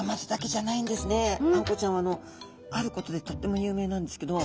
あんこうちゃんはあることでとっても有名なんですけど。